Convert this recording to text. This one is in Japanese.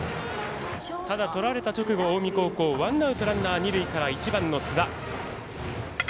取られた直後、近江高校ワンアウト、ランナー、二塁で１番の津田。